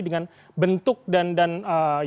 dengan bentuk dan danatasi